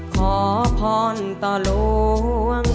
ขอพรต่อหลวง